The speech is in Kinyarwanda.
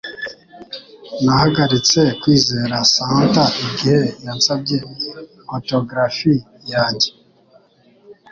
Nahagaritse kwizera Santa igihe yansabye autografi yanjye